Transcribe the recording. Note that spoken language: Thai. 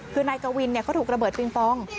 คือนายกวินเขาถูกระเบิดปิงปอง